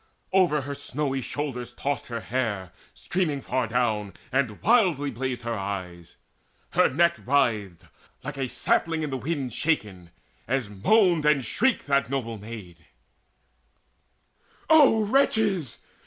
Over her snowy shoulders tossed her hair Streaming far down, and wildly blazed her eyes. Her neck writhed, like a sapling in the wind Shaken, as moaned and shrieked that noble maid: "O wretches!